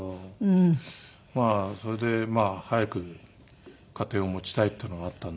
それで早く家庭を持ちたいっていうのがあったので。